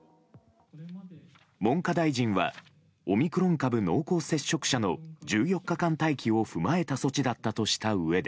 文科大臣はオミクロン株濃厚接触者の１４日間待機を踏まえた措置だったとしたうえで。